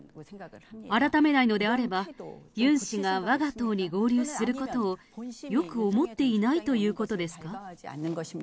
改めないのであれば、ユン氏がわが党に合流することを、よく思っていないということですか？